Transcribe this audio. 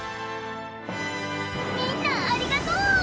みんなありがとう！